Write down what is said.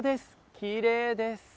きれいです。